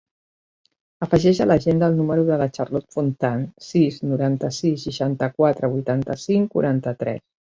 Afegeix a l'agenda el número de la Charlotte Fontan: sis, noranta-sis, seixanta-quatre, vuitanta-cinc, quaranta-tres.